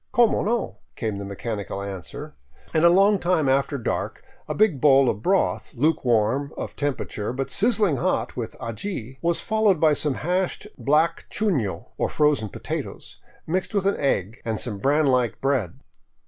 " Como no ?" came the mechanical answer, and a long time after dark a big bowl of broth, luke warm of temperature but sizzling hot with aji, was followed by some hashed black chuno, or frozen potatoes,, rnixed with an tgg, and some bran like bread.